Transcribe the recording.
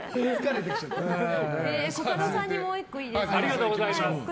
コカドさんにもう１個いいですか？